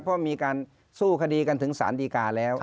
เพราะมีการสู้คดีกันถึงสารดีกาแล้ว